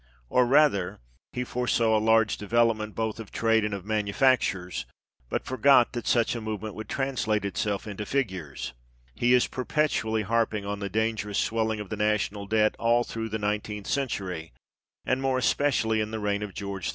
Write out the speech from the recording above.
Or rather, he foresaw a large development both of trade and of .manufactures, but forgot that such a movement would translate itself into figures. He is perpetually harping on the dangerous swelling of the national debt all through the nineteenth century, and more especially in the reign of George IV.